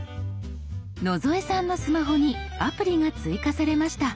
野添さんのスマホにアプリが追加されました。